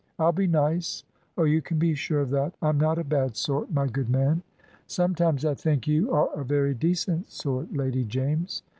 I'll be nice oh, you can be sure of that. I'm not a bad sort, my good man." "Sometimes I think you are a very decent sort, Lady James."